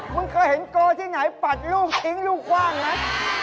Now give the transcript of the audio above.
เคยเห็นโกที่ไหนปัดลูกทิ้งลูกกว้างไหม